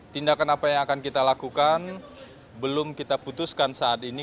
tindakan apa yang akan kita lakukan belum kita putuskan saat ini